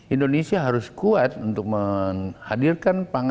indonesia harus kuat untuk menghadirkan pangan